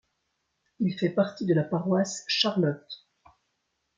Il fait partie de la Paroisse Charlotte.